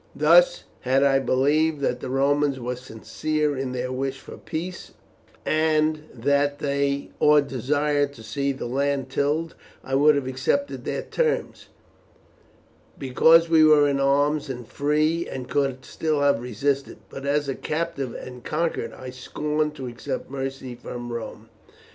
Thus, had I believed that the Romans were sincere in their wish for peace, and that they desired to see the land tilled, I would have accepted their terms, because we were in arms and free, and could still have resisted; but as a captive, and conquered, I scorn to accept mercy from Rome."